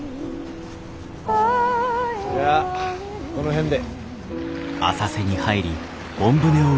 じゃあこの辺で。